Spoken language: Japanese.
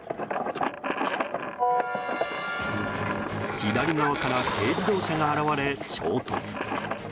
左側から軽自動車が現れ衝突。